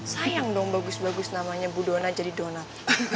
sayang dong bagus bagus namanya ibu donat jadi donat